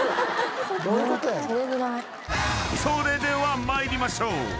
［それでは参りましょう］